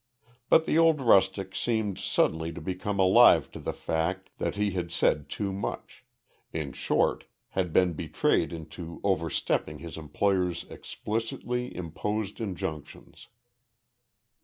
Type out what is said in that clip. But the old rustic seemed suddenly to become alive to the fact that he had said too much; in short, had been betrayed into overstepping his employer's explicitly imposed injunctions.